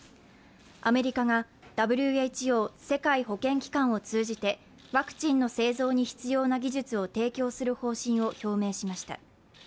アメリカがＷＨＯ＝世界保健機関を通じてワクチンの製造に必要な技術を提供する方針を表明しました。